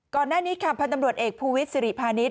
ก่อนหน้านี้ค่ะพันธ์ตำรวจเอกภูวิทย์สิริพาณิชย